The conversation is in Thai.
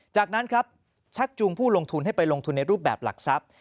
จากนั้นครับชักจูงผู้ลงทุนให้ไปลงทุนในรูปแบบหลักทรัพย์